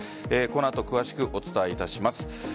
この後、詳しくお伝えいたします。